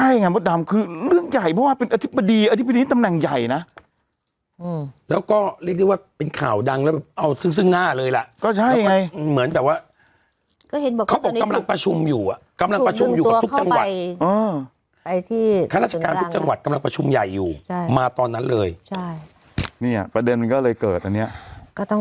อยู่ใช่มาตอนนั้นเลยใช่เนี้ยประเด็นมันก็เลยเกิดอันนี้ก็ต้อง